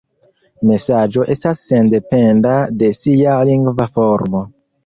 Mesaĝo estas sendependa de sia lingva formo.